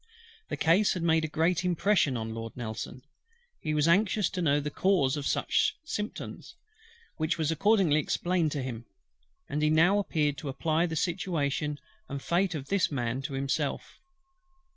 The case had made a great impression on Lord NELSON: he was anxious to know the cause of such symptoms, which was accordingly explained to him; and he now appeared to apply the situation and fate of this man to himself.